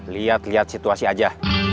lihat lihat situasi aja